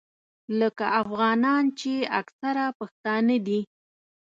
لکه افغانان چې اکثره پښتانه دي.